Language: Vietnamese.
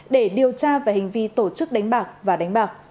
để điều tra về hành vi tổ chức đánh bạc và đánh bạc